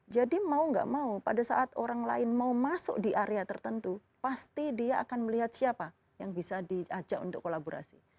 mau gak mau pada saat orang lain mau masuk di area tertentu pasti dia akan melihat siapa yang bisa diajak untuk kolaborasi